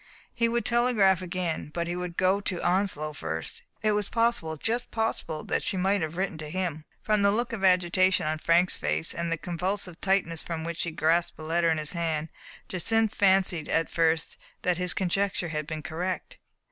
He would telegraph again, but he would go to Onslow first ; it was possible — ^just possible — that she might have written to him. From the look of agitation on Frank's face, and the convulsive tightness with which he grasped a letter in his hand, Jacynth fancied at first that his conjecture had been correct.